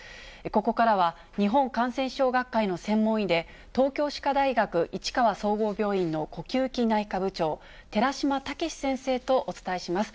ここからは、日本感染症学会の専門医で、東京歯科大学市川総合病院の呼吸器内科部長、寺嶋毅先生とお伝えします。